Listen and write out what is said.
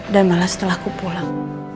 dan malah setelah ku pulang